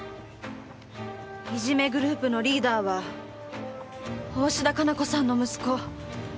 いじめグループのリーダーは大信田加奈子さんの息子豊君だった。